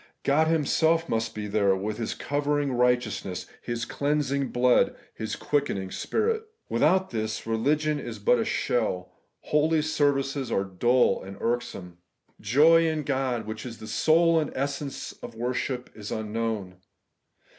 God Himself must be there, with His covering righteousness. His cleansing blood, His quickening Spirit. "Without this, religion is but a shell ; holy services are dull and irksome. Joy in God, which is the soul and essence of worship, is unknown.